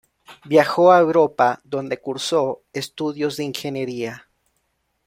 Viajó a Europa, donde cursó estudios de ingeniería.